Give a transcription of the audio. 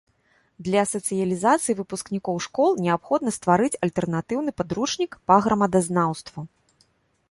Для сацыялізацыі выпускнікоў школ неабходна стварыць альтэрнатыўны падручнік па грамадазнаўству.